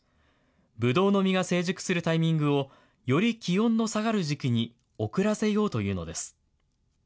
ぶどうの実が成熟するタイミングを、より気温の下がる時期に遅らせようというのです。